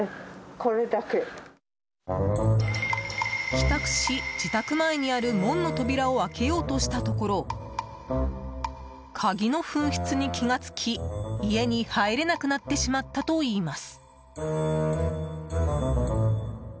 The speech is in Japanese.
帰宅し、自宅前にある門の扉を開けようとしたところ鍵の紛失に気が付き家に入れなくなってしまったといいます。